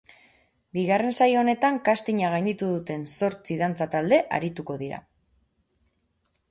Bigarren saio honetan castinga gainditu duten zotzi dantza talde arituko dira.